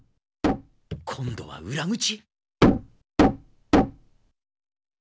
今度は裏口？